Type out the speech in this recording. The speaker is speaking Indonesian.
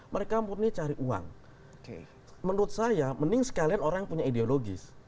mereka murni cari uang menurut saya mending sekalian orang yang punya ideologis